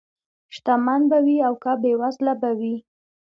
شتمن به وي او که بېوزله به وي.